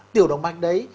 tiểu động mạch đấy